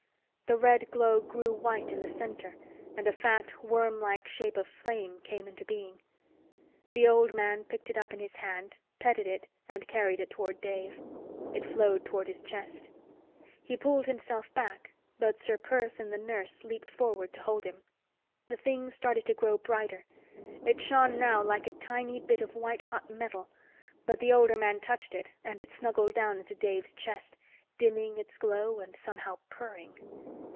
The red glow grew white in the center, and a fat, worm like shape of flame came into being. The old man picked it up in his hand, petted it and carried it toward Dave. It flowed toward his chest. He pulled himself back, but Ser Perth and the nurse leaped forward to hold him. The thing started to grow brighter. It shone now like a tiny bit of white hot metal; but the older man touched it, and it snuggled down into Dave's chest, dimming its glow and somehow purring.